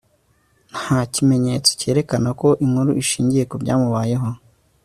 nta kimenyetso cyerekana ko inkuru ishingiye ku byamubayeho